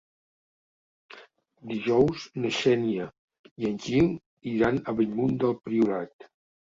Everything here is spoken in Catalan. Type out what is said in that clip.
Dijous na Xènia i en Gil iran a Bellmunt del Priorat.